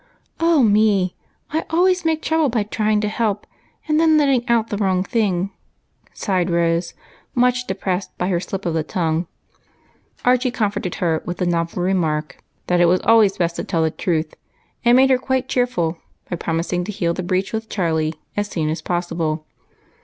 " Oh, me ! I always make trouble by trying to help, and then letting out the wrong thing," sighed Rose, much depressed by her slip of the tongue. 278 EIGHT COUSINS. Archie comforted her with the novel remark that it was always best to tell the truth, and made her quite cheerful by promising to heal the breach with Charlie, as soon as possible.